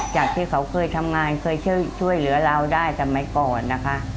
จากที่เขาเคยทำงานเคยช่วยเหลือเราได้สมัยก่อนนะคะ